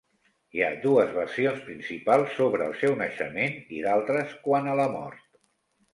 Hi ha dues versions principals sobre el seu naixement i d'altres quant a la mort.